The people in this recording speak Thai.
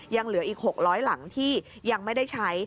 ยังเหลืออีก๖๐๐หลังที่ยังไม่ได้ใช้